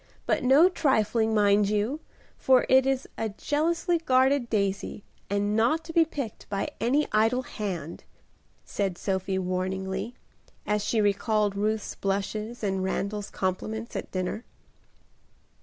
But no trifling, mind you, for it is a jealously guarded daisy and not to be picked by any idle hand," said Sophie warningly, as she recalled Ruth's blushes and Randal's compliments at dinner.